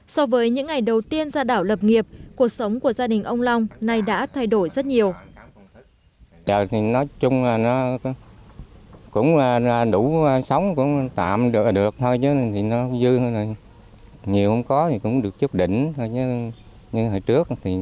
so với những ngày đầu tiên ra đảo lập nghiệp cuộc sống của gia đình ông long nay đã thay đổi rất nhiều